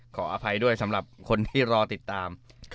ขออภัยด้วยสำหรับคนที่รอติดตาม